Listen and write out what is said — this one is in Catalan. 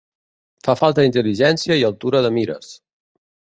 Fa falta intel·ligència i altura de mires.